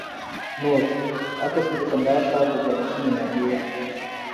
نوټ: عکس کي د کندهار ښار د ديارلسمي ناحيې